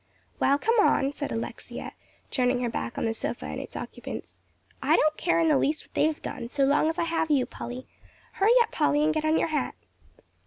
"Well, come on," said Alexia, turning her back on the sofa and its occupants; "I don't care in the least what they've done, so long as I have you, Polly. Hurry up, Polly, and get on your hat."